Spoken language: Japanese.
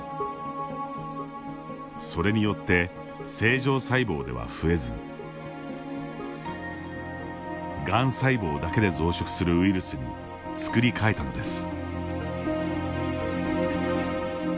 それによって正常細胞では増えずがん細胞だけで増殖するウイルスに作り替えたのです。